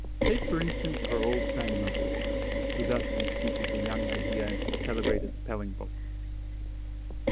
Take for instance our old friend Mavor, who thus mis teaches the young idea in his celebrated Spelling Book.